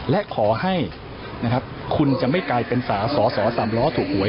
และขอให้นะครับคุณจะไม่กลายเป็นสาวสอสอสามล้อถูกหวย